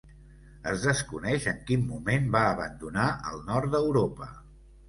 Es desconeix en quin moment va abandonar el nord d'Europa.